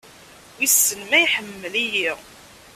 Wissen ma iḥemmel-iyi.